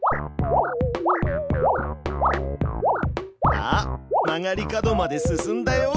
あっ曲がり角まですすんだよ！